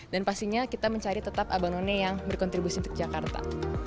dan pastinya kita mencari tetap abang noni yang berkontribusi untuk jakarta